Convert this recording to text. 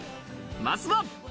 まずは。